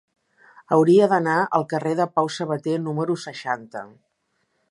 Hauria d'anar al carrer de Pau Sabater número seixanta.